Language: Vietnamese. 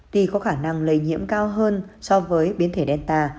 tuy có khả năng lây nhiễm cao hơn so với biến thể delta